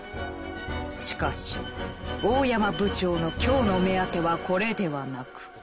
しかし大山部長の今日の目当てはこれではなく。